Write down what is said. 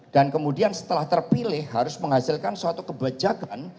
dan kemudian setelah terpilih harus menghasilkan suatu kebajakan